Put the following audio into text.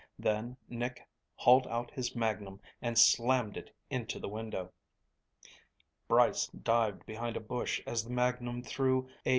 Then Nick hauled out his magnum and slammed it into the window. Brice dived behind a bush as the magnum threw a